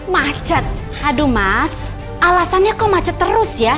macet aduh mas alasannya kok macet terus ya